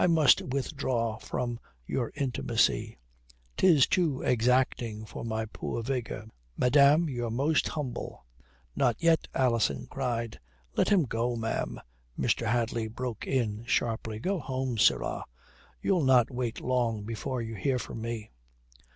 I must withdraw from your intimacy. 'Tis too exacting for my poor vigour. Madame, your most humble." "Not yet," Alison cried. "Let him go, ma'am," Mr. Hadley broke in sharply. "Go home, sirrah. You'll not wait long before you hear from me."